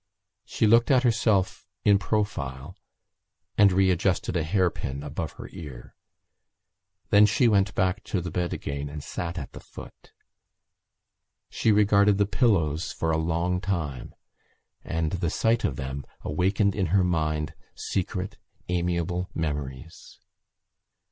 She looked at herself in profile and readjusted a hairpin above her ear. Then she went back to the bed again and sat at the foot. She regarded the pillows for a long time and the sight of them awakened in her mind secret amiable memories.